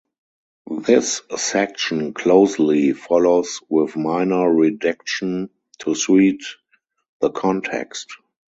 This section closely follows with minor redaction to suit the context.